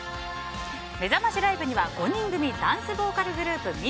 めざましライブには５人組ダンスボーカルグループＭ！